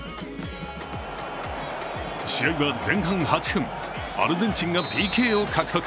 試合は前半８分、アルゼンチンがＰＫを獲得。